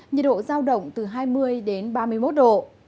nhiệt độ giao động từ hai mươi đến ba mươi một độ